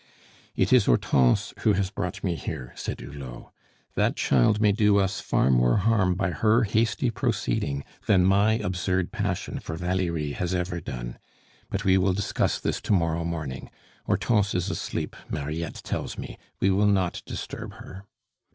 "It is Hortense who has brought me here," said Hulot. "That child may do us far more harm by her hasty proceeding than my absurd passion for Valerie has ever done. But we will discuss all this to morrow morning. Hortense is asleep, Mariette tells me; we will not disturb her."